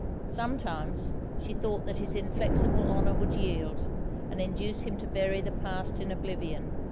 Sometimes, she thought that his inflexible honour would yield, and induce him to bury the past in oblivion.